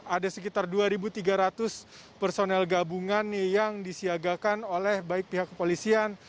ada sekitar dua tiga ratus personel gabungan yang disiagakan oleh baik pihak kepolisian